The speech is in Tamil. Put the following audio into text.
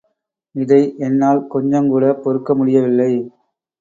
இதை என்னால் கொஞ்சங்கூட பொறுக்க முடியவில்லை.